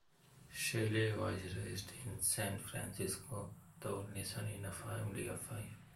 Shelley was raised in San Francisco, the only son in a family of five.